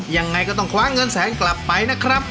ยังไงก็ต้องคว้าเงินแสนกลับไปนะครับ